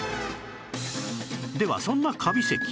ではそんなカビ咳